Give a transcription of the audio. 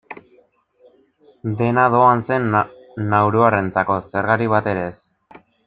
Dena doan zen nauruarrentzako, zergarik batere ez.